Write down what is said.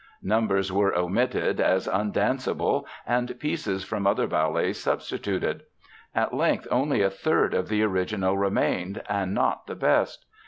Numbers were omitted as "undanceable," and pieces from other ballets substituted. At length only a third of the original remained, and not the best.